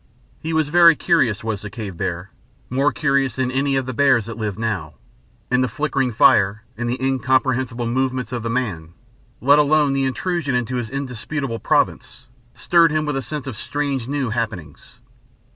He was very curious, was the cave bear, more curious than any of the bears that live now, and the flickering fire and the incomprehensible movements of the man, let alone the intrusion into his indisputable province, stirred him with a sense of strange new happenings.